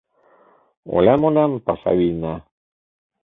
Олян-олян паша вийна.